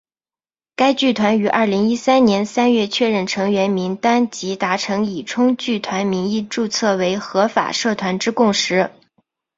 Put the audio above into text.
该剧团于二零一三年三月确认成员名单及达成以冲剧团名义注册为合法社团之共识。